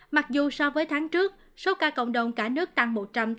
mặc dù so với tháng trước số ca cộng đồng cả nước tăng một trăm tám mươi sáu bốn